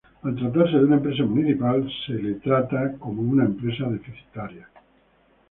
Al tratarse de una empresa municipal, se la trata de una empresa deficitaria.